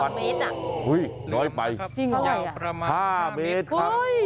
น้อยไป๕เมตร